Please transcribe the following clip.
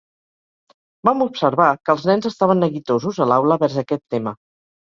Vam observar que els nens estaven neguitosos a l’aula vers aquest tema.